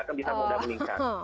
kan bisa mudah meningkat